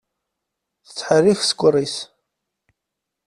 Tettḥerrik ssker-is.